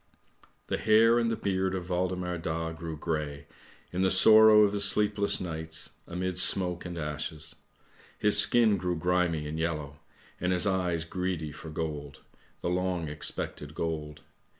" The hair and the beard of Waldemar Daa grew grey, in the sorrow of his sleepless nights, amid smoke and ashes. His skin grew grimy and yellow, and his eyes greedy for gold, the long expected gold.